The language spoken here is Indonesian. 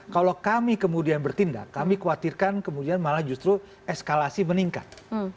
kalau kami kemudian bertindak kami khawatirkan kemudian malah justru eskalasi meningkat